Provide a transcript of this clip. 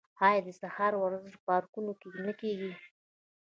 آیا د سهار ورزش په پارکونو کې نه کیږي؟